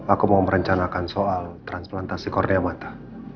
aku mau merencanakan soal transplantasi korniamata